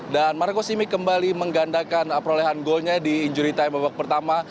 dan marco simic kembali menggandakan perolehan golnya di injury time babak pertama